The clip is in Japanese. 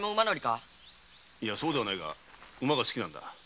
いやそうではないが馬が好きなんだ。